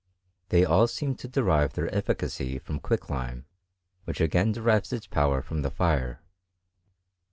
They all seemed to derive their eftj cacy from quicklime, which again derives its powtf from the fire.